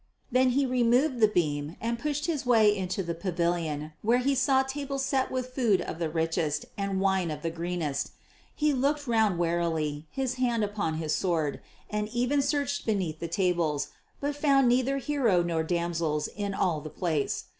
Then he removed the beam and pushed his way into the pavilion, where he saw tables set with food of the richest and wine of the greenest. He looked round warily, his hand upon his sword, and even searched beneath the tables, but found neither hero nor damsels in all the place.